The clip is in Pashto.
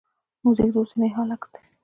موزیک د اوسني حال عکس دی.